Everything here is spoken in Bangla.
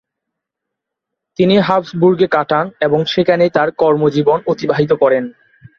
তিনি হাবস্বুর্গে কাটান এবং সেখানেই তার কর্মজীবন অতিবাহিত করেন।